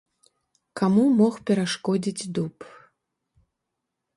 Каму мог перашкодзіць дуб?